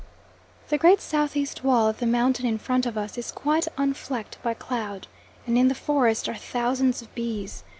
The great south east wall of the mountain in front of us is quite unflecked by cloud, and in the forest are thousands of bees.